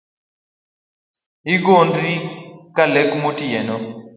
Igondri ka lek motieno